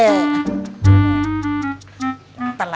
tidak ada apa apa